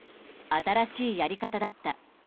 新しいやり方だった。